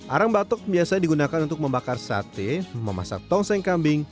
arang batok biasa digunakan untuk membakar sate memasak tongseng kambing